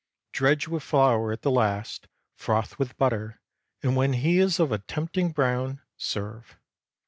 Dredge with flour at the last, froth with butter, and when he is of a tempting brown, serve.